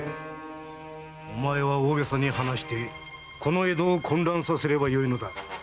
お前は大げさに話してこの江戸を混乱させればよい。